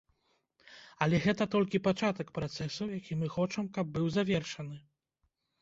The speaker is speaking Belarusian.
Але гэта толькі пачатак працэсу, які мы хочам, каб быў завершаны.